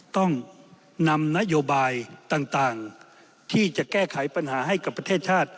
ต้องนำนโยบายต่างที่จะแก้ไขปัญหาให้กับประเทศชาติ